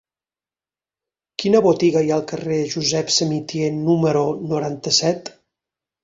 Quina botiga hi ha al carrer de Josep Samitier número noranta-set?